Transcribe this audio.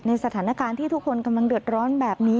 สถานการณ์ที่ทุกคนกำลังเดือดร้อนแบบนี้